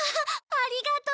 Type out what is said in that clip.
ありがとう。